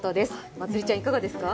まつりちゃんいかがですか？